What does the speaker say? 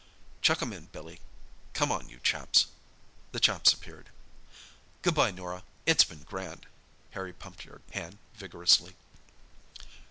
"Chuck 'em in, Billy. Come on, you chaps!" The chaps appeared. "Good bye, Norah. It's been grand!" Harry pumped her hand vigorously.